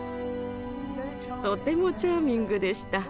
とてもチャーミングでした。